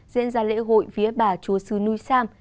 diễn ra lễ hội vía bà chúa sứ núi sam